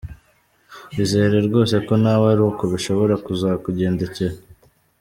Izere rwose ko nawe ari uko bishobora kuzakugendekera.